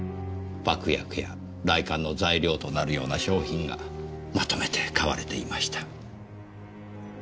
爆薬や雷管の材料となるような商品がまとめて買われていました。